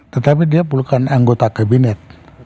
tetapi dia perlukan anggota kabinet